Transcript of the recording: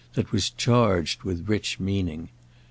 that was charged with rich meaning.